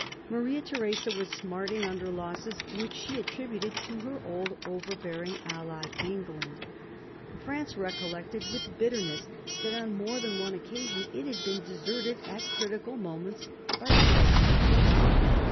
Maria Theresa was smarting under losses which she attributed to her old overbearing ally, England. France recollected with bitterness that on more than one occasion it had been deserted at critical moments by the Prussian king.